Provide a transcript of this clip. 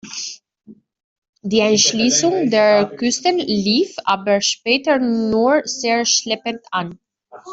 Die Erschließung der Küsten lief aber später nur sehr schleppend an.